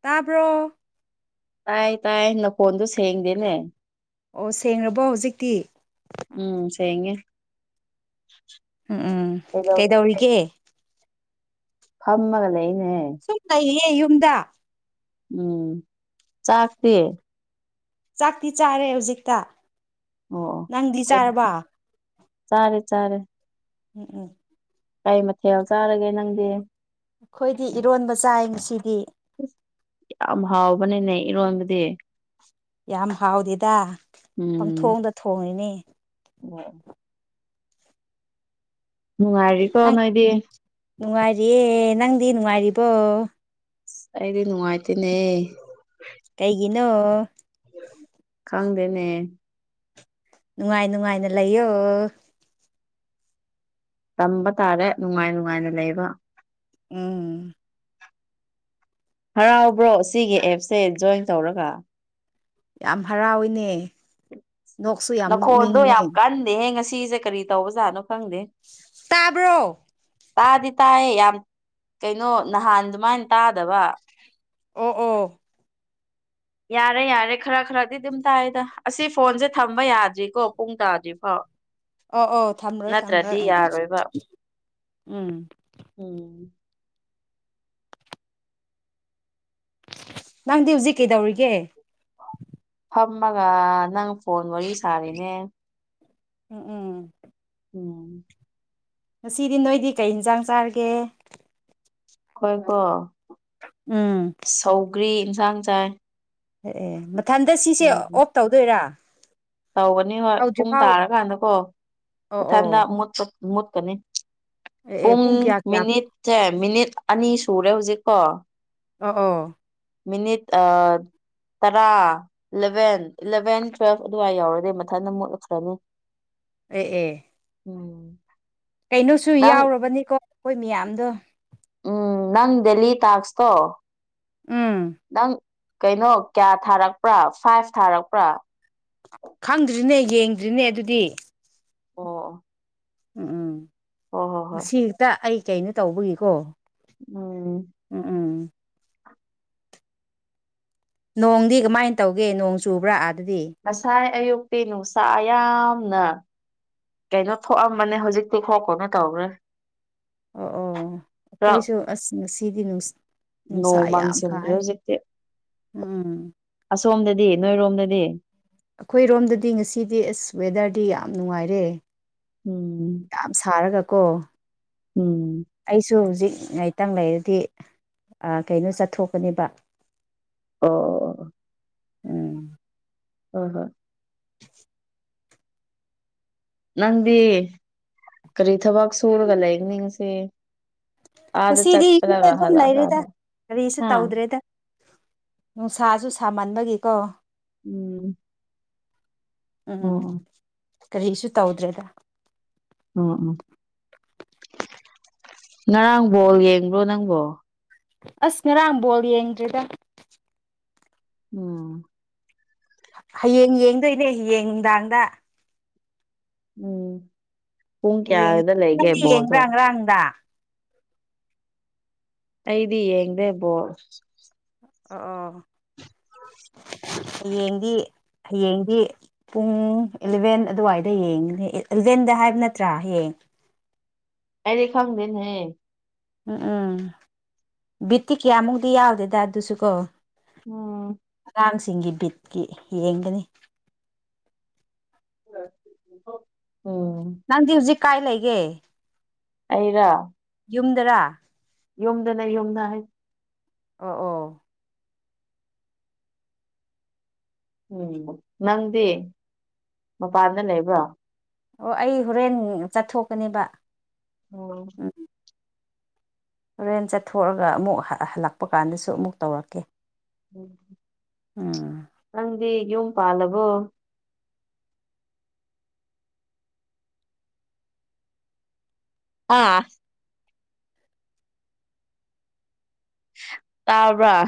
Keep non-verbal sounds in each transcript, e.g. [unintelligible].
ꯇꯥꯕ꯭ꯔꯣ꯫ ꯇꯥꯏ ꯇꯥꯏ ꯅꯈꯣꯟꯗꯣ ꯁꯦꯡꯗꯦꯅꯦ꯫ ꯑꯣ ꯁꯦꯡꯉꯕꯣ ꯍꯧꯖꯤꯛꯇꯤ꯫ ꯎꯝ ꯁꯦꯡꯉꯦ꯫ ꯎꯝ ꯎꯝ ꯀꯩꯗꯧꯔꯤꯒꯦ꯫ ꯐꯝꯃꯒ ꯂꯩꯅꯦꯍꯦ꯫ ꯁꯨꯝ ꯂꯩꯔꯤꯌꯦ ꯌꯨꯝꯗ꯫ ꯎꯝ ꯆꯥꯛꯇꯤ꯫ ꯆꯥꯛꯇꯤ ꯆꯥꯔꯦ ꯍꯧꯖꯤꯛꯇ꯫ ꯑꯣ ꯅꯪꯗꯤ [unintelligible] ꯆꯥꯔꯕ ꯆꯥꯔꯦ ꯆꯥꯔꯦ ꯎꯝ ꯎꯝ꯫ ꯀꯩ ꯃꯊꯦꯜ ꯆꯥꯔꯒꯦ ꯅꯪꯗꯤ꯫ ꯑꯩꯈꯣꯏꯗꯤ ꯏꯔꯣꯟꯕ ꯆꯥꯏ ꯉꯁꯤꯗꯤ꯫ ꯌꯥꯝ ꯍꯥꯎꯕꯅꯤꯅꯦ ꯏꯔꯣꯟꯕꯗꯤ꯫ ꯌꯥꯝ ꯍꯥꯎꯗꯦꯗ ꯄꯪꯊꯣꯡꯗ ꯊꯣꯡꯉꯤꯅꯤ꯫ ꯑꯣ꯫ ꯅꯨꯡꯉꯥꯏꯔꯤ꯫ ꯅꯪ ꯅꯨꯡꯉꯥꯏꯔꯤꯌꯦ ꯅꯪꯗꯤ ꯅꯨꯡꯉꯥꯏꯔꯤꯕꯣ꯫ ꯑꯩꯗꯤ ꯅꯨꯡꯉꯥꯏꯇꯦꯅꯦ꯫ ꯀꯩꯒꯤꯅꯣ꯫ ꯈꯪꯗꯦꯅꯦ꯫ ꯅꯨꯡꯉꯥꯏ ꯅꯨꯡꯉꯥꯏꯅ ꯂꯩꯌꯣ꯫ ꯇꯝꯕ ꯇꯥꯔꯦ ꯅꯨꯡꯉꯥꯏ ꯅꯨꯡꯉꯥꯏꯅ ꯂꯩꯕ꯫ ꯎꯝ꯫ ꯍꯔꯥꯎꯕ꯭ꯔꯣ ꯁꯤꯒꯤ ꯑꯦꯞꯁꯦ ꯖꯣꯏꯟ ꯇꯧꯔꯒ꯫ ꯌꯥꯝ ꯍꯔꯥꯎꯋꯦꯅꯦ꯫ ꯅꯈꯣꯟꯗꯣ ꯌꯥꯝ ꯀꯟꯗꯦꯍꯦ ꯉꯁꯤꯁꯦ ꯀꯔꯤ ꯇꯧꯕꯖꯥꯠꯅꯣ ꯈꯪꯗꯦ꯫ ꯇꯥꯕ꯭ꯔꯣ꯫ ꯇꯥꯗꯤ ꯇꯥꯏꯌꯦ ꯌꯥꯝ ꯀꯩꯅꯣ ꯅꯍꯥꯟ ꯑꯗꯨꯃꯥꯏꯅ ꯇꯥꯗꯕ꯫ ꯑꯣ ꯑꯣ꯫ ꯌꯥꯔꯦ ꯌꯥꯔꯦ ꯈꯔ ꯈꯔꯗꯤ ꯑꯗꯨꯝ ꯇꯥꯏꯗ ꯑꯁꯤ ꯐꯣꯟꯁꯦ ꯊꯝꯕ ꯌꯥꯗ꯭ꯔꯤꯀꯣ ꯄꯨꯡ ꯇꯥꯗ꯭ꯔꯤ ꯐꯥꯎ ꯑꯣ ꯑꯣ ꯊꯝꯃꯔꯣꯏ ꯊꯝꯃꯔꯣꯏ ꯎꯝ ꯎꯝ ꯌꯥꯔꯣꯏꯕ ꯎꯝ ꯎꯝ ꯅꯪꯗꯤ ꯍꯧꯖꯤꯛ ꯀꯩꯗꯧꯔꯤꯒꯦ꯫ ꯐꯝꯃꯒ ꯅꯪ ꯐꯣꯟ ꯋꯥꯔꯤ ꯁꯥꯔꯤꯅꯦ ꯎꯝ ꯎꯝ ꯎꯝ ꯉꯁꯤꯗꯤ ꯅꯣꯏꯗꯤ ꯀꯩ ꯌꯦꯟꯁꯥꯡ ꯆꯥꯔꯒꯦ꯫ ꯑꯩꯈꯣꯏꯀꯣ ꯎꯝ ꯁꯧꯒ꯭ꯔꯤ ꯌꯦꯟꯁꯥꯡ ꯆꯥꯏ꯫ ꯑꯦ ꯃꯊꯟꯗ ꯁꯤꯁꯦ ꯎꯝ ꯑꯣꯐ ꯇꯧꯗꯣꯏꯔꯥ꯫ ꯇꯧꯒꯅꯤ ꯍꯣꯏ ꯄꯨꯡ ꯍꯧꯗ꯭ꯔꯤꯐꯥꯎ ꯇꯥꯔꯀꯥꯟꯗꯀꯣ ꯑꯣ ꯑꯣ ꯃꯊꯟꯇ ꯃꯨꯠꯀꯅꯤ꯫ ꯑꯦ ꯑꯦ ꯄꯨꯡ ꯀꯌꯥ ꯀꯌꯥ ꯃꯤꯅꯤꯠꯁꯦ ꯃꯤꯅꯤꯠ ꯑꯅꯤ ꯁꯨꯔꯦ ꯍꯧꯖꯤꯛꯀꯣ꯫ ꯑ ꯑꯣ ꯃꯤꯅꯤꯠ ꯑꯥ ꯇꯔꯥ ꯏꯂꯚꯦꯟ ꯏꯂꯚꯦꯟ ꯇꯨꯋꯦꯜ ꯑꯗꯨꯋꯥꯏ ꯌꯥꯎꯔꯗꯤ ꯃꯊꯟꯇ ꯑꯃ ꯃꯨꯠꯂꯛꯈ꯭ꯔꯅꯤ ꯑꯦ ꯑꯦ ꯎꯝ ꯀꯩꯅꯣꯁꯨ ꯅꯪ ꯌꯥꯎꯔꯕꯅꯤꯀꯣ ꯑꯩꯈꯣꯏ ꯃꯌꯥꯝꯗꯣ꯫ ꯎꯝ ꯅꯪ ꯗꯦꯂꯤ ꯇꯥꯛꯁꯇꯣ ꯎꯝ ꯅꯪ ꯀꯩꯅꯣ ꯀꯌꯥ ꯊꯥꯔꯛꯄ꯭ꯔꯥ ꯐꯥꯏꯚ ꯊꯥꯔꯛꯄ꯭ꯔꯥ ꯈꯪꯗ꯭ꯔꯤꯅꯦ ꯌꯦꯡꯗ꯭ꯔꯤꯅꯦ ꯑꯗꯨꯗꯤ ꯑꯣ ꯎꯝ ꯎꯝ ꯍꯣꯏ ꯍꯣꯏ ꯍꯣꯏ ꯉꯁꯤ ꯍꯦꯛꯇ ꯑꯩ ꯀꯩꯅꯣ ꯇꯧꯕꯒꯤꯀꯣ ꯎꯝ ꯎꯝ ꯎꯝ ꯅꯣꯡꯗꯤ ꯀꯃꯥꯏꯅ ꯇꯧꯒꯦ ꯅꯣꯡ ꯆꯨꯕ꯭ꯔꯥ ꯑꯗꯗꯤ ꯉꯁꯥꯏ ꯑꯌꯨꯛꯇꯤ ꯅꯨꯡꯁꯥ ꯌꯥꯝꯅ꯫ ꯀꯩꯅꯣ ꯊꯣꯛꯑꯝꯕꯅꯦ ꯍꯧꯖꯤꯛꯇꯤ ꯈꯔ ꯀꯅꯣ ꯇꯧꯈ꯭ꯔꯦ ꯑꯣ ꯑꯣ ꯈꯔ ꯑꯩꯈꯣꯏꯁꯨ ꯑꯁ ꯉꯁꯤꯗꯤ ꯅꯨꯡ ꯅꯣꯡ ꯅꯨꯡꯁꯥ ꯌꯥꯝ ꯃꯥꯡꯁꯤꯟꯈ꯭ꯔꯦ ꯀꯥꯏ ꯍꯧꯖꯤꯛꯇꯤ ꯎꯝ ꯎꯝ ꯑꯁꯣꯝꯗꯗꯤ ꯅꯣꯏꯔꯣꯝꯗꯗꯤ꯫ ꯑꯩꯈꯣꯏꯔꯣꯝꯗꯗꯤ ꯉꯁꯤꯗꯤ ꯑꯁ ꯋꯦꯗꯔꯗꯤ ꯌꯥꯝ ꯅꯨꯡꯉꯥꯏꯔꯦ ꯎꯝ ꯌꯥꯝ ꯁꯥꯔꯒ ꯀꯣ ꯎꯝ ꯑꯩꯁꯨ ꯍꯧꯖꯤꯛ ꯉꯥꯏꯇꯪ ꯂꯩꯔꯗꯤ ꯀꯩꯅꯣ ꯆꯠꯊꯣꯛꯀꯅꯦꯕ ꯑꯣ ꯑꫭ ꯎꯝ ꯑꯣ ꯍꯣꯏ [unintelligible] ꯅꯪꯗꯤ ꯀꯔꯤ ꯊꯕꯛ ꯁꯨꯔꯒ ꯂꯩꯒꯅꯤ ꯉꯁꯤ ꯑꯥꯗ ꯉꯁꯤꯗꯤ ꯏꯨꯝꯗ ꯆꯠꯄꯗꯒ ꯑꯗꯨꯝ ꯂꯩꯔꯦꯗ ꯍꯜꯂꯛꯑꯀꯥꯟꯗ ꯀꯔꯤꯁꯨ ꯍꯥ ꯇꯧꯗ꯭ꯔꯦꯗ ꯅꯨꯡꯁꯥꯁꯨ ꯁꯥꯃꯟꯕꯒꯤꯀꯣ ꯎꯝ ꯎꯝ ꯑꯣ ꯎꯎꯝ ꯑꯣ ꯀꯔꯤꯁꯨ ꯇꯧꯗ꯭ꯔꯦꯗ ꯎꯝ ꯎꯝ ꯉꯔꯥꯡ ꯕꯣꯜ ꯌꯦꯡꯕ꯭ꯔꯣ ꯅꯪꯕꯣ ꯑꯁ ꯉꯔꯥꯡ ꯕꯣꯜ ꯌꯦꯡꯗ꯭ꯔꯦꯗ ꯎꯝ ꯍꯌꯦꯡ ꯌꯦꯡꯗꯣꯏꯅꯦ ꯍꯌꯦꯡ ꯅꯨꯡꯗꯥꯡꯗ ꯎꯝ ꯄꯨꯡ ꯀ꯭ꯌꯥꯗ ꯂꯩꯒꯦ ꯕꯣꯜꯗꯣ ꯇꯥꯡꯗ ꯑꯩꯗꯤ ꯌꯦꯡꯗꯦ ꯕꯣꯜ ꯑꯣ ꯑꯣ ꯍꯌꯦꯡꯗꯤ ꯍꯌꯦꯡꯗꯤ ꯄꯨꯡ ꯑꯦꯂꯚꯦꯟ ꯑꯗꯨꯋꯥꯏꯗ ꯌꯦꯡꯒꯅꯤ ꯏꯂꯚꯦꯟꯗ ꯍꯥꯏꯕ ꯅꯠꯇ꯭ꯔꯥ ꯍꯌꯦꯡ ꯑꯩꯗꯤ ꯈꯪꯗꯦꯅꯦꯍꯦ ꯎꯝ ꯎꯝ ꯕꯤꯠꯇꯤ ꯀꯌꯥꯃꯨꯛꯇꯤ ꯌꯥꯎꯗꯦꯗ ꯑꯗꯨꯁꯨ ꯀꯣ ꯎꯝ ꯑꯉꯥꯡꯁꯤꯡꯒꯤ ꯕꯤꯠꯀꯤ ꯌꯦꯡꯒꯅꯤ [unintelligible] ꯎꯝ ꯅꯪꯗꯤ ꯍꯧꯖꯤꯛ ꯀꯥꯏ ꯂꯩꯒꯦ ꯑꯩꯔꯥ ꯌꯨꯝꯗꯔꯥ ꯌꯨꯝꯗꯅꯦ ꯌꯨꯝꯗ ꯍꯩ ꯑꯣ ꯑꯣ ꯎꯝ ꯅꯪꯗꯤ ꯃꯄꯥꯟꯗ ꯂꯩꯕ꯭ꯔꯣ ꯑꯣ ꯑꯩ ꯍꯣꯔꯦꯟ ꯆꯠꯊꯣꯛꯀꯅꯦꯕ ꯑꯣ ꯍꯣꯔꯦꯟ ꯆꯠꯊꯣꯛꯑꯒ ꯑꯃꯨꯛ ꯍꯥ ꯍꯜꯂꯛꯄ ꯀꯥꯟꯗꯁꯨ ꯑꯃꯨꯛ ꯇꯧꯔꯛꯀꯦ ꯎꯝ ꯎꯝ ꯅꯪꯗꯤ ꯌꯨꯝ ꯄꯥꯜꯂꯕꯣ ꯑꯥ ꯇꯥꯕ꯭ꯔꯥ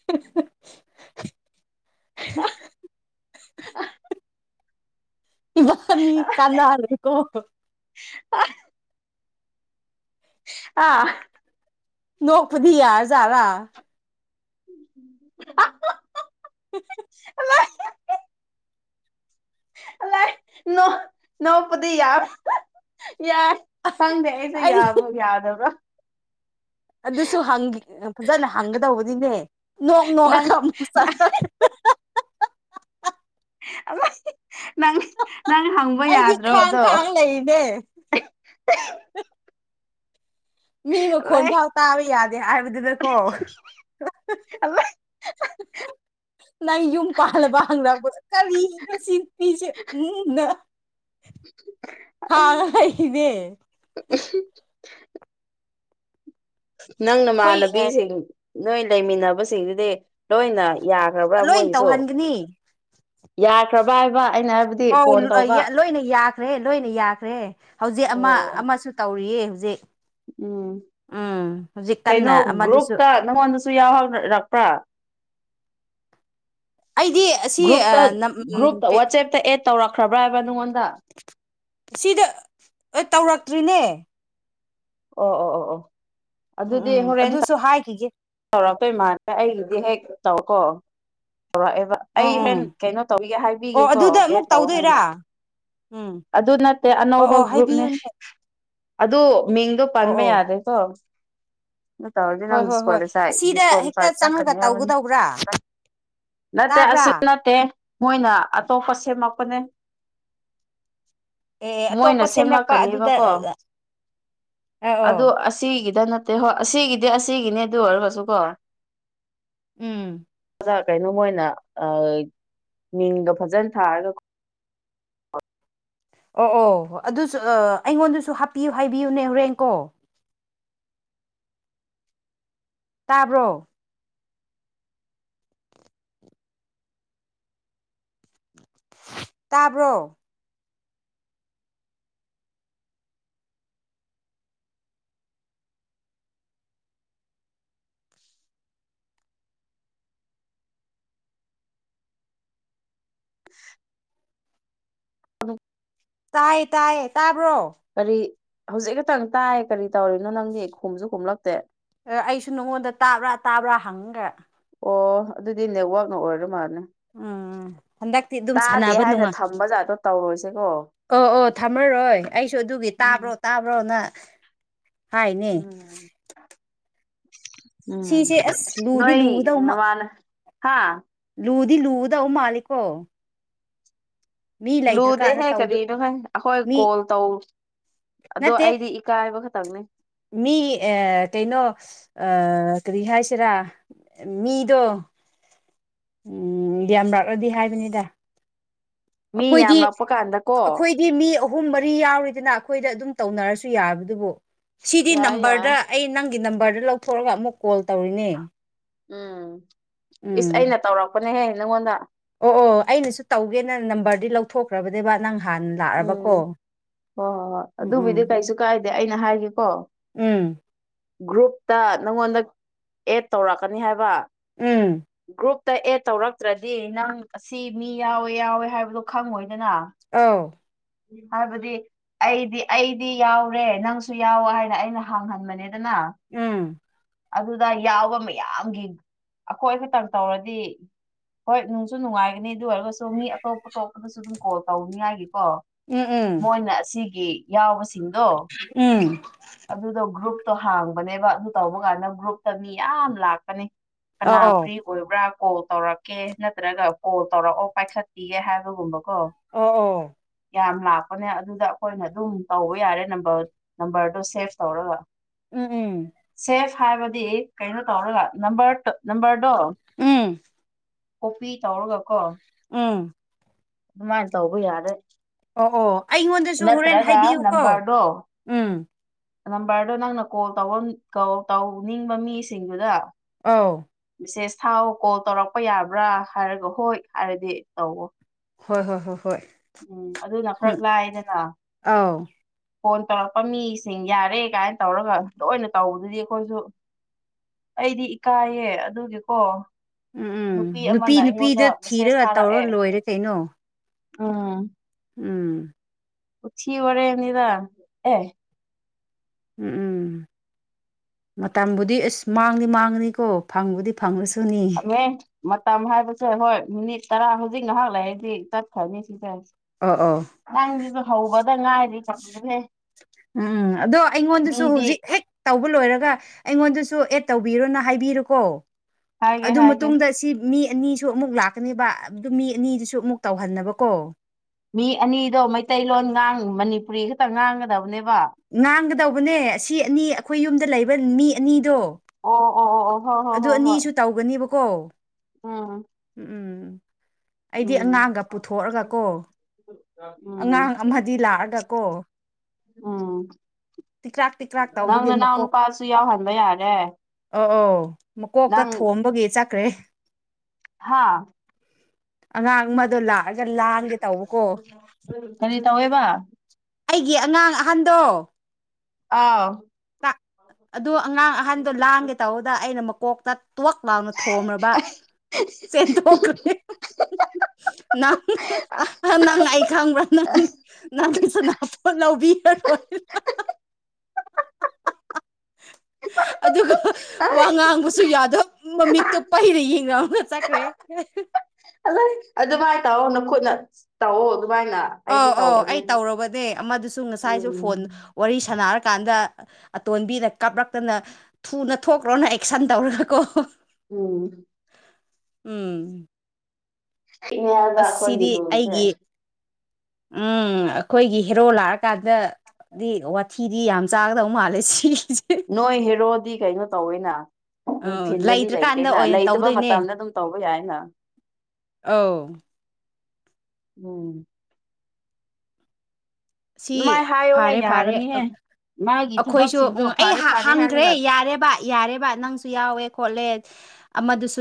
[unintelligible] [unintelligible] ꯏꯕꯅꯤ ꯀꯅꯥꯔꯦꯀꯣ ꯑꯥ ꯑꯥ ꯅꯣꯛꯄꯨꯗꯤ ꯌꯥꯔꯖꯥꯔꯥ [unintelligible] ꯍꯨꯝ ꯍꯨꯛ ꯑꯂꯥꯏ ꯅꯣ ꯅꯣꯛꯄꯗꯤ ꯌꯥꯔ [unintelligible] ꯌꯥꯢ ꯈꯪꯗꯦ ꯑꯩꯁꯦ ꯑꯩ ꯌꯥꯕꯨ ꯌꯥꯗꯕ꯭ꯔꯥ ꯑꯗꯨꯁꯨ ꯍꯪ ꯐꯖꯅ ꯍꯪꯒꯗꯧꯕꯅꯤꯅꯦ ꯅꯣꯛ ꯅꯪ ꯅꯣꯛꯔꯒ ꯑꯃꯨꯛ ꯅ ꯆꯠꯂ ꯑꯃꯥꯢ ꯅꯪ ꯅꯪ ꯍꯪ ꯑꯩꯗꯤ ꯈꯥꯡ ꯈꯥꯡ ꯂꯩꯔꯤꯅꯦ [unintelligible] ꯃꯤ ꯃꯈꯣꯟ ꯐꯥꯎ ꯇꯥꯕ ꯌꯥꯗꯦ ꯍꯥꯏꯕꯗꯨꯗꯀꯣ [unintelligible] [unintelligible] ꯅꯪ ꯌꯨꯝ ꯄꯥꯜꯂꯕ ꯍꯪꯂꯛꯄꯗ ꯀꯔꯤꯅꯣ ꯁꯤꯄꯤꯁꯦ ꯎꯝꯅ [inaudible] ꯍꯥꯎꯏ [unintelligible] [inaudible] ꯅꯪ ꯑꯩꯈꯣꯏ ꯅꯃꯥꯟꯅꯕꯤꯁꯤꯡ ꯅꯣꯏ ꯂꯩꯃꯤꯟꯅꯕꯁꯤꯡꯗꯨꯗꯤ ꯂꯣꯏꯅ ꯌꯥꯈ꯭ꯔꯕ꯭ꯔꯥ ꯃꯣꯏꯒꯤꯁꯨ ꯌꯥꯈ꯭ꯔꯕ ꯍꯥꯏꯕ ꯑꯩꯅ ꯍꯥꯏꯕꯗꯤ ꯑꯥꯎ ꯐꯣꯟ ꯇꯧꯕ ꯂꯣꯏꯅ ꯌꯥꯈ꯭ꯔꯦ ꯂꯣꯏꯅ ꯌꯥꯈ꯭ꯔꯦ ꯍꯧꯖꯤꯛ ꯑꯃ ꯑꯣ ꯑꯃꯁꯨ ꯇꯧꯔꯤꯌꯦ ꯍꯧꯖꯤꯛ ꯎꯝ ꯎꯝ ꯍꯧꯖꯤꯛ ꯀꯩꯅꯣ ꯀꯟꯅ ꯑꯃꯗꯨꯁꯨ ꯒ꯭ꯔꯨꯞꯇ ꯅꯪꯉꯣꯟꯗꯁꯨ ꯌꯥꯎꯍꯧꯔꯛꯄ꯭ꯔꯥ ꯑꯩꯗꯤ ꯑꯁꯤ ꯒ꯭ꯔꯨꯞꯇ ꯒ꯭ꯔꯨꯞꯇ ꯋꯥꯆꯦꯞꯇ ꯑꯦꯠ ꯇꯧꯔꯛꯈ꯭ꯔꯕ꯭ꯔꯥ ꯍꯥꯏꯕ ꯅꯉꯣꯟꯗ ꯁꯤꯗ ꯇꯧꯔꯛꯇ꯭ꯔꯤꯅꯦ ꯑꯣ ꯑꯣ ꯑꯣ ꯑꯣ ꯎꯝ ꯑꯗꯨꯗꯤ ꯎꯝ ꯍꯣꯔꯦꯟ ꯑꯗꯨꯁꯨ ꯍꯥꯏꯈꯤꯒꯦ ꯇꯧꯔꯛꯇꯣꯏ ꯃꯥꯅꯦ ꯑꯩꯒꯤꯗꯤ ꯍꯦꯛ ꯇꯧꯀꯣ ꯇꯧꯔꯛꯑꯦꯕ ꯑꯩ ꯎꯝ ꯎꯝ ꯍ‌ꯦꯟ ꯀꯩꯅꯣ ꯇꯧꯒꯤꯒ‌ꯦ ꯑꯣ ꯍꯥꯏꯕꯤꯒꯦꯀꯣ ꯑꯗꯨꯗ ꯑꯃꯨꯛ ꯑꯦꯠ ꯇꯧ ꯇꯧꯗꯣꯏꯔꯥ ꯍꯥꯏꯅ ꯎꯝ ꯑꯗꯨ ꯅꯠꯇꯦ ꯑꯣ ꯑꯅꯧꯕ ꯑꯣ ꯒ꯭ꯔꯨꯞꯅꯦ ꯍꯥꯏꯕꯤꯌꯨꯅꯦ ꯑꯗꯨ ꯃꯤꯡꯗꯣ ꯑꯣ ꯄꯟꯕ ꯑꯣ ꯌꯥꯗꯦꯀꯣ ꯅꯪ ꯇꯧꯔꯗꯤ ꯍꯣꯏ ꯅꯪ ꯍꯣꯏ ꯍꯣꯏ ꯗꯤꯁꯀ꯭ꯋꯥꯂꯤꯐꯥꯏꯗ ꯑꯁꯤꯗ ꯍꯦꯛꯇ ꯗꯤꯁꯀ꯭ꯋꯥꯂꯤꯐꯥꯏꯗ ꯆꯪꯉꯒ ꯆꯠꯀꯅꯤ ꯍꯥꯏꯕꯅꯤ ꯇꯧꯒꯗꯧꯕ꯭ꯔꯥ ꯅꯠꯇꯦ ꯑꯁꯤ ꯇꯥꯕ꯭ꯔꯥ ꯅꯠꯇꯦ ꯃꯣꯏꯅ ꯑꯇꯣꯞꯄ ꯁꯦꯝꯃꯛꯄꯅꯦ ꯑꯦ ꯑꯦ ꯃꯣꯏꯅ ꯑꯇꯣꯞꯄ ꯁꯦꯝꯂꯛꯄ ꯑꯗꯨꯗ ꯁꯦꯝꯂꯛꯀꯅꯦꯕꯀꯣ ꯑ ꯑꯗꯨ ꯑꯣ ꯑꯁꯤꯒꯤꯗ ꯅꯠꯇꯦ ꯍꯣꯏ ꯑꯁꯤꯒꯤꯗꯤ ꯑꯁꯤꯒꯤꯅꯤ ꯑꯗꯨ ꯑꯣꯏꯔꯒꯁꯨ ꯀꯣ ꯎꯝ ꯈꯔꯥ ꯀꯩꯅꯣ ꯃ‌ꯣꯏꯅ ꯃꯤꯡꯗꯣ ꯐꯖꯅ ꯊꯥꯔꯒ ꯑꯣ ꯑꯣ ꯑꯗꯨꯁꯨ ꯑꯩꯉꯣꯟꯗꯁꯨ ꯍꯥꯞꯄꯤꯌꯨ ꯍꯥꯏꯕꯤꯌꯨꯅꯦ ꯍꯣꯔꯦꯟ ꯀꯣ ꯇꯥꯕ꯭ꯔꯣ ꯇꯥꯕ꯭ꯔꯣ [unintelligible] [unintelligible] ꯇꯥꯏꯌꯦ ꯇꯥꯏꯌꯦ ꯇꯥꯕ꯭ꯔꯣ ꯀꯔꯤ ꯍꯧꯖꯤꯛ ꯈꯛꯇꯪ ꯇꯥꯏ ꯀꯔꯤ ꯇꯧꯔꯤꯅꯣ ꯅꯪꯗꯤ ꯈꯨꯝꯁꯨ ꯈꯨꯝꯂꯛꯇꯦ ꯑꯩꯁꯨ ꯅꯉꯣꯟꯗ ꯇꯥꯕ꯭ꯔꯥ ꯇꯥꯕ꯭ꯔꯥ ꯍꯪꯉꯒ ꯑꯣ ꯑꯗꯨꯗꯤ ꯅꯦꯠꯋꯥꯛꯅ ꯑꯣꯏꯔ ꯃꯥꯜꯂ‌ꯦ ꯎꯝ ꯍꯟꯗꯛꯇꯤ ꯑꯗꯨꯝ ꯁꯥꯟꯅꯕ ꯍꯥꯏꯅ ꯅꯨꯡꯉꯥꯏ ꯊꯝꯕ ꯖꯥꯠꯇꯣ ꯇꯧꯔꯣꯏꯁꯦꯀꯣ ꯑꯣ ꯑꯣ ꯊꯝꯃꯔꯣꯏ ꯑꯩꯁꯨ ꯑꯗꯨꯒꯤ ꯎꯝ ꯇꯥꯕ꯭ꯔꯣ ꯇꯥꯕ꯭ꯔꯣꯅ ꯍꯥꯏꯅꯦ ꯎꯝ ꯎꯝ ꯁꯤꯁꯦ ꯑꯁ ꯂꯨꯗꯤ ꯅꯣꯏ ꯂꯨꯒꯗꯧ ꯃꯥ ꯅꯃꯥꯟꯅ ꯍꯥꯥ ꯂꯨꯗꯤ ꯂꯨꯗꯧ ꯃꯥꯜꯂꯤꯀꯣ ꯃꯤ ꯂꯩꯇ꯭ꯔꯀꯥꯟꯗ ꯂꯨꯗꯦꯍꯦ ꯇꯧꯗ ꯀꯔꯤꯅꯣ ꯑꯩꯈꯣꯏ ꯃꯤ ꯀꯣꯜ ꯇꯧ ꯑꯗꯣ ꯅꯠꯇꯦ ꯑꯩꯗꯤ ꯀꯥꯏꯕ ꯈꯛꯇꯪꯅꯦ ꯃꯤ ꯑ‌ꯦ ꯀꯩꯅꯣ ꯑ ꯀꯔꯤ ꯍꯥꯏꯁꯤꯔꯥ ꯃꯤꯗꯣ ꯎꯝ ꯌꯥꯝꯔꯥꯛꯂꯗꯤ ꯍꯥꯏꯕꯅꯤꯗ ꯃꯤ ꯑꯩꯈꯣꯏꯗꯤ ꯌꯥꯝꯂꯛꯄ ꯀꯥꯟꯗꯀꯣ ꯑꯩꯈꯣꯏ ꯁꯤ ꯃꯤ ꯑꯍꯨꯝ ꯃꯔꯤ ꯌꯥꯎꯔꯤꯗꯅ ꯑꯩꯈꯣꯏꯗ ꯑꯗꯨꯝ ꯇꯧꯅꯔꯁꯨ ꯌꯥꯕꯗꯨꯕꯨ ꯁꯤꯗꯤ ꯌꯥꯏ ꯌꯥꯏ ꯅꯝꯕꯔꯗ ꯑꯩ ꯅꯪꯒꯤ ꯅꯝꯕꯔꯗ ꯂꯧꯊꯣꯛꯑꯒ ꯑꯃꯨꯛ ꯀꯣꯜ ꯇꯧꯔꯤꯅꯦ ꯎꯝ ꯏꯁ ꯎꯝ ꯑꯩꯅ ꯇꯧꯔꯛꯄꯅꯦꯍꯦ ꯅꯪꯉꯣꯟꯗ ꯑꯣ ꯑꯣ ꯑꯩꯅꯁꯨ ꯇꯧꯒꯦꯅ ꯅꯝꯕꯔꯗꯤ ꯂꯧꯊꯣꯛꯈ꯭ꯔꯕꯅꯦꯕ ꯅꯪ ꯍꯥꯟꯅ ꯂꯥꯛꯑꯕꯀꯣ ꯎꯝ ꯍꯣꯏ ꯍꯣꯏ ꯍꯣꯏ ꯎꯝ ꯎꯝ ꯑꯗꯨꯕꯨꯗꯤ ꯀꯩꯁꯨ ꯀꯥꯏꯗꯦ ꯑꯩꯅ ꯍꯥꯏꯒꯦꯀꯣ ꯎꯝ ꯒ꯭ꯔꯨꯞꯇ ꯅꯪꯉꯣꯟꯗ ꯑꯦꯗ ꯇꯧꯔꯛꯀꯅꯤ ꯍꯥꯏꯕ ꯎꯝ ꯒ꯭ꯔꯨꯞꯇ ꯑꯦꯠ ꯇꯧꯔꯛꯇ꯭ꯔꯗꯤ ꯅꯪ ꯑꯁꯤ ꯃꯤ ꯌꯥꯎꯋꯦ ꯌꯥꯎꯋꯦ ꯍꯥꯏꯕꯗꯣ ꯈꯪꯉꯣꯏꯗꯅ ꯑꯧ ꯍꯥꯏꯕꯗꯤ ꯑꯩꯗꯤ ꯑꯩꯗꯤ ꯌꯥꯎꯔꯦ ꯅꯪꯁꯨ ꯌꯥꯎ ꯍꯥꯏꯅ ꯑꯩꯅ ꯍꯥꯡꯍꯟꯕꯅꯤ ꯗꯅ ꯎꯝ ꯑꯗꯨꯗ ꯌꯥꯎꯕ ꯃꯌꯥꯝꯒꯤ ꯑꯩꯈꯣꯏ ꯈꯠꯇꯪ ꯇꯧꯔꯗꯤ ꯍꯣꯏ ꯅꯨꯡꯁꯨ ꯅꯨꯡꯉꯥꯏꯒꯅꯤ ꯑꯗꯨ ꯑꯣꯏꯔꯒꯁꯨ ꯃꯤ ꯑꯇꯣꯞ ꯑꯇꯣꯞꯄꯗꯁꯨ ꯗꯨꯝ ꯀꯣꯜ ꯇꯧꯅꯤꯉꯥꯏꯒꯤꯀꯣ꯫ ꯎꯝ ꯎꯝ ꯃꯣꯏꯅ ꯑꯁꯤꯒꯤ ꯌꯥꯎꯕꯁꯤꯡꯗꯣ꯫ ꯎꯝ ꯑꯗꯨꯗꯣ ꯒ꯭ꯔꯨꯞꯇꯣ ꯍꯥꯡꯕꯅꯦꯕ ꯑꯗꯨ ꯇꯧꯕ ꯀꯥꯟꯗ ꯒ꯭ꯔꯨꯞꯇ ꯃꯤ ꯌꯥꯝ ꯂꯥꯛꯄꯅꯤ꯫ ꯀꯅꯥ ꯑꯧ ꯐ꯭ꯔꯤ ꯑꯣꯏꯕ꯭ꯔꯥ ꯀꯣꯜ ꯇꯧꯔꯛꯀꯦ ꯅꯠꯇ꯭ꯔꯒ ꯀꯣꯜ ꯇꯧꯔꯛꯑꯣ ꯄꯥꯏꯈꯠꯄꯤꯒꯦ ꯍꯥꯏꯕꯒꯨꯝꯕ ꯀꯣ ꯑꯣ ꯑꯣ ꯌꯥꯝ ꯂꯥꯛꯄꯅꯦ ꯑꯗꯨꯗ ꯑꯈꯣꯏꯅ ꯑꯗꯨꯝ ꯇꯧꯕ ꯌꯥꯔꯦ ꯅꯝꯕꯔ ꯅꯝꯕꯔꯗꯣ ꯁꯦꯐ ꯇꯧꯔꯒ ꯎꯝ ꯁꯦꯐ ꯍꯥꯏꯕꯗꯤ ꯀꯩꯅꯣ ꯇꯧꯔꯒ ꯅꯝꯕꯔ ꯅꯝꯕꯔꯗꯣ ꯎꯝ ꯎꯝ ꯀꯣꯄꯤ ꯇꯧꯔꯒꯀꯣ ꯎꯝ ꯗꯨꯃꯥꯏꯟ ꯇꯧꯕ ꯌꯥꯔꯦ꯫ ꯑꯣ ꯑꯣ ꯑꯩꯉꯣꯟꯗꯁꯨ ꯍꯨꯔꯦꯟ ꯅꯠꯇ꯭ꯔꯒ ꯍꯥꯏꯕꯤꯌꯨꯀꯣ ꯅꯝꯕꯔꯗꯣ ꯎꯝ ꯅꯝꯕꯔꯗꯣ ꯅꯪꯅ ꯀꯣꯜ ꯇꯧꯝ ꯇꯧ ꯇꯧꯅꯤꯡꯕ ꯃꯤꯁꯤꯡꯗꯨꯗ꯫ ꯑꯧ ꯃꯦꯁꯦꯁ ꯊꯥꯎ ꯀꯣꯜ ꯇꯧꯔꯛꯄ ꯌꯥꯕ꯭ꯔꯥ ꯍꯥꯏꯔꯒ ꯍꯣꯏ ꯍꯥꯏꯔꯗꯤ ꯇꯧꯑꯣ ꯍꯣꯏ ꯍꯣꯏ ꯍꯣꯏ ꯍꯣꯏ ꯎꯝ ꯑꯗꯨꯅ ꯈꯔ ꯂꯥꯏꯗꯅ꯫ ꯑꯥꯎ ꯐꯣꯟ ꯇꯧꯔꯛꯄ ꯃꯤꯁꯤꯡ ꯌꯥꯔꯦ ꯀꯥꯏꯅ ꯇꯧꯔꯒ ꯂꯣꯏꯅ ꯇꯧꯕꯗꯨꯗꯤ ꯑꯩꯈꯣꯏꯁꯨ꯫ ꯑꯩꯗꯤ ꯏꯀꯥꯏꯌꯦ ꯑꯗꯨꯒꯤꯀꯣ ꯎꯝ ꯎꯝ ꯅꯨꯄꯤ ꯑꯃꯅ ꯑꯩꯉꯣꯟꯗ ꯅꯨꯄꯤꯗ ꯃꯦꯁꯦꯁ ꯊꯤꯔꯒ ꯇꯧꯔ ꯊꯥꯔꯛꯑꯦ ꯂꯣꯏꯔꯦ ꯀꯩꯅꯣ ꯎꯝ ꯎꯝ ꯎꯊꯤ ꯋꯥꯔꯦꯝꯅꯤꯗꯥ ꯑꯦ ꯎꯎꯝ ꯃꯇꯝꯕꯨꯗꯤ ꯏꯁ ꯃꯥꯡꯗꯤ ꯃꯥꯡꯉꯅꯤꯀꯣ ꯐꯪꯕꯨꯗꯤ ꯐꯪꯉꯁꯨꯅꯤ ꯐꯝ ꯑꯦ ꯃꯇꯝ ꯍꯥꯏꯕꯁꯦ ꯍꯣꯏ ꯃꯤꯅꯤꯠ ꯇꯔꯥ ꯍꯧꯖꯤꯛ ꯉꯍꯥꯛ ꯂꯩꯔꯗꯤ ꯇꯠꯈ꯭ꯔꯅꯤ ꯁꯤꯁꯦ ꯑꯥ ꯑꯣ ꯅꯪꯖꯤꯁꯨ ꯍꯧꯕꯗ ꯉꯥꯏꯔꯤ [unintelligible] ꯎꯝꯎꯝ ꯑꯗꯣ ꯑꯩꯉꯣꯟꯗꯁꯨ ꯃꯤꯗꯤ ꯍꯧꯖꯤꯛ ꯍꯦꯛ ꯇꯧꯕ ꯂꯣꯏꯔꯒ ꯑꯩꯉꯣꯟꯗꯁꯨ ꯑꯦꯠ ꯇꯧꯕꯤꯔꯣꯅ ꯍꯥꯏꯕꯤꯔꯨꯀꯣ꯫ ꯍꯥꯏꯒꯦ ꯑꯗꯨ ꯍꯥꯏꯒꯦ ꯃꯇꯨꯡꯗ ꯁꯤ ꯃꯤ ꯑꯅꯤꯁꯨ ꯑꯃꯨꯛ ꯂꯥꯛꯀꯅꯤꯕ ꯑꯗꯨ ꯃꯤ ꯑꯅꯤꯗꯨꯁꯨ ꯑꯃꯨꯛ ꯇꯧꯍꯟꯅꯕꯀꯣ꯫ ꯃꯤ ꯑꯅꯤꯗꯣ ꯃꯩꯇꯩꯂꯣꯟ ꯉꯥꯡ ꯃꯅꯤꯄꯨꯔꯤ ꯈꯛꯇ ꯉꯥꯡꯒꯗꯕꯅꯦꯕ꯫ ꯉꯥꯡꯒꯗꯧꯕꯅꯦ ꯑꯁꯤ ꯑꯅꯤ ꯑꯩꯈꯣꯏ ꯌꯨꯝꯗ ꯂꯩꯕ ꯃꯤ ꯑꯅꯤꯗꯣ꯫ ꯑꯣ ꯑꯣ ꯑꯣ ꯑꯣ꯫ ꯍꯣꯏ ꯍꯣꯏ ꯑꯗꯨ ꯍꯣꯏ ꯍꯣꯏ ꯑꯅꯤꯁꯨ ꯇꯧꯒꯅꯤꯕꯀꯣ꯫ ꯎꯝ ꯎꯝ ꯑꯩꯗꯤ ꯎꯝ ꯑꯉꯥꯡꯒ ꯄꯨꯊꯣꯛꯔꯒꯀꯣ ꯎꯝ ꯎꯝ ꯎꯝ ꯇꯤꯀ꯭ꯔꯥꯛ ꯇꯤꯀ꯭ꯔꯥꯛ ꯅꯪ ꯇꯧꯕꯒꯤ ꯅꯅꯥꯎ ꯃꯀꯣꯛ ꯅꯨꯄꯥꯁꯨ ꯌꯥꯎꯍꯟꯕ ꯌꯥꯔꯦ ꯑ ꯑꯧ ꯃꯀꯣꯛꯇ ꯅꯪ ꯊꯣꯝꯕꯒꯤ ꯆꯠꯈ꯭ꯔꯦ ꯍꯥꯥ ꯑꯉꯥꯡ ꯑꯃꯗꯣ ꯂꯛ ꯀꯔꯤ ꯇꯧꯋꯦꯕ ꯑꯩꯒꯤ ꯑꯉꯥꯡ ꯑꯍꯟꯗꯣ ꯑꯥꯎ ꯑꯗꯨ ꯑꯉꯥꯡ ꯑꯍꯟꯗꯣ ꯂꯥꯡꯒꯦ ꯇꯧꯕꯗ ꯑꯩꯅ ꯃꯀꯣꯛꯇ ꯇꯣꯛ ꯂꯥꯎꯅ ꯊꯣꯝꯔꯕ ꯆꯦꯟꯊꯣꯛꯈ꯭ꯔꯦ ꯅꯪ ꯅꯪꯅ ꯑꯩ ꯈꯪꯕ꯭ꯔꯥ ꯅꯪ ꯅꯪꯒꯤꯁꯨ ꯅꯥꯄꯣꯠ ꯂꯧꯕꯤꯔꯣꯏꯅ [inaudible] ꯑꯗꯨꯒ ꯋꯥ ꯑꯥꯏ ꯉꯥꯡꯕꯁꯨ ꯌꯥꯗ ꯃꯃꯤꯛꯇꯣ ꯄꯩꯔ ꯌꯦꯡꯔꯝꯃꯒꯥ ꯆꯠꯈ꯭ꯔꯦ ꯑꯗꯨꯃꯥꯏ ꯇꯧꯑꯣ ꯅꯈꯨꯠꯅ ꯇꯧꯑꯣ ꯑꯗꯨꯃꯥꯏꯅ ꯑꯣ ꯑꯩꯗꯤ ꯑꯣ ꯇꯧꯕꯅꯦ ꯑꯩ ꯇꯧꯔꯕꯅꯦ ꯑꯃꯗꯨꯁꯨ ꯉꯁꯥꯏꯁꯨ ꯐꯣꯟ ꯎꯝ ꯋꯥꯔꯤ ꯁꯥꯟꯅꯔꯀꯥꯟꯗ ꯑꯇꯣꯟꯕꯤꯗ ꯀꯥꯞꯔꯛꯇꯅ ꯊꯨꯅ ꯊꯣꯛꯈ꯭ꯔꯣꯅ ꯑꯦꯛꯁꯟ ꯇꯧꯔꯒꯀꯣ ꯎꯝ ꯎꯝ [inaudible] ꯑꯁ ꯁꯤꯗꯤ ꯔꯨꯜꯁꯦ ꯑꯩꯒꯤ ꯎꯝ ꯑꯩꯈꯣꯏꯒꯤ ꯍꯦꯔꯣ ꯂꯥꯛꯑꯀꯥꯟꯗ ꯗꯤ ꯋꯥꯊꯤꯗꯤ ꯌꯥꯝ ꯆꯥꯒꯗꯧ ꯃꯥꯜꯂꯦ ꯁꯤꯁꯦ ꯅꯣꯏ ꯍꯦꯔꯣꯗꯤ ꯀꯩꯅꯣ ꯇꯧꯋꯦꯅ ꯑꯧ ꯅꯨꯡꯊꯤꯟꯗꯗꯤ ꯂꯩꯇ꯭ꯔꯀꯥꯟꯗ ꯂꯩꯇꯦꯅ ꯑꯣꯏꯅ ꯂꯩꯇꯕ ꯇꯧꯗꯣꯏꯅꯦ ꯃꯇꯝꯗ ꯑꯗꯨꯝ ꯇꯧꯕ ꯌꯥꯏꯅ ꯑꯧ ꯎꯝ ꯁꯤ ꯑꯗꯨꯃꯥꯏꯅ ꯍꯥꯏꯌꯣꯍꯦ ꯐꯥꯔꯦ ꯐꯥꯔꯦ ꯌꯥꯒꯅꯤꯍꯦ ꯃꯥꯒꯤ ꯑꯩꯈꯣꯏꯁꯨ ꯎꯝ ꯊꯕꯛꯁꯤꯡꯗꯣ ꯑꯩ ꯐꯔꯦ ꯍꯥ ꯐꯔꯦ ꯍꯥꯡꯈ꯭ꯔꯦ ꯍꯥꯏꯔꯒ ꯌꯥꯔꯦꯕ ꯌꯥꯔꯦꯕ ꯅꯪꯁꯨ ꯌꯥꯎꯋꯦ ꯈꯣꯠꯂꯦ ꯑꯃꯗꯨꯁꯨ